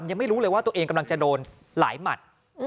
ยังไม่รู้เลยว่าตัวเองกำลังจะโดนหลายหมัด